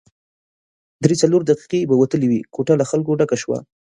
درې څلور دقیقې به وتلې وې، کوټه له خلکو ډکه شوه.